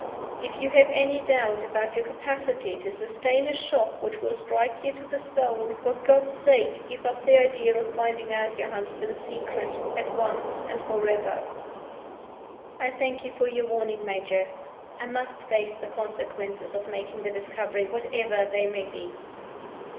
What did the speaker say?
_ If you have any doubt about your capacity to sustain a shock which will strike you to the soul, for God's sake give up the idea of finding out your husband's secret at once and forever!" "I thank you for your warning, Major. I must face the consequences of making the discovery, whatever they may be."